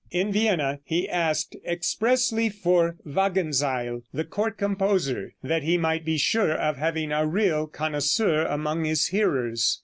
In Vienna, he asked expressly for Wagenseil, the court composer, that he might be sure of having a real connoisseur among his hearers.